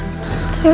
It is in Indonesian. terima kasih nyai